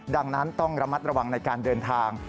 ดังนั้นต้องระมัดระวังในการเดินทาง